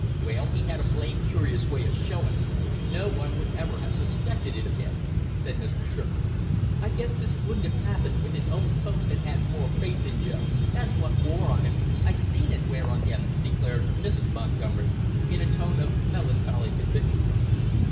"Well, he had a blame curious way of showing it; no one would ever have suspected it of him!" said Mr. Shrimplin. "I guess this wouldn't have happened if his own folks had had more faith in Joe, that's what wore on him, I seen it wear on him!" declared Mrs. Montgomery, in a tone of melancholy conviction.